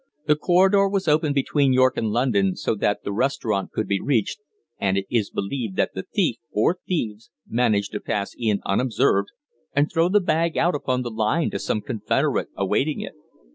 The corridor was open between York and London, so that the restaurant could be reached, and it is believed that the thief, or thieves, managed to pass in unobserved and throw the bag out upon the line to some confederate awaiting it.